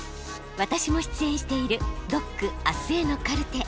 私も出演している「ＤＯＣあすへのカルテ」。